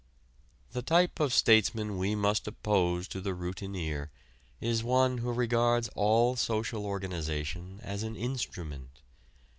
The type of statesman we must oppose to the routineer is one who regards all social organization as an instrument.